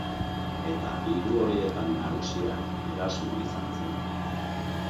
Eta hiru horietan nagusia, Erasmo izan zen.